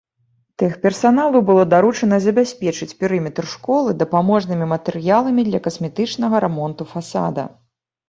Тэхперсаналу было даручана забяспечыць перыметр школы дапаможнымі матэрыяламі для касметычнага рамонту фасада.